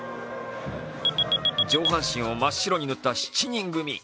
上半身を真っ白に塗った７人組。